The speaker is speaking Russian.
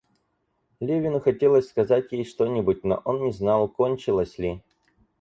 Левину хотелось сказать ей что-нибудь, но он не знал, кончилось ли.